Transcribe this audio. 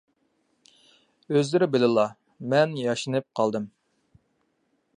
ئۆزلىرى بىلىلا، مەن ياشىنىپ قالدىم.